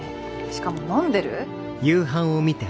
しかも飲んでる？